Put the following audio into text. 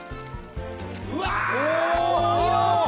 うわ！